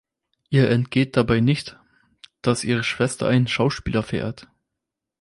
Ihr entgeht dabei nicht, dass ihre Schwester einen Schauspieler verehrt.